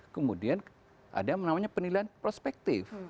kemudian ada yang namanya penilaian prospektif